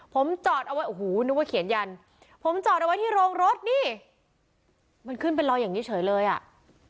ผมจอดเอาไว้โอ้โหนึกว่าเขียนยันผมจอดเอาไว้ที่โรงรถนี่มันขึ้นเป็นรอยอย่างนี้เฉยเลยอ่ะ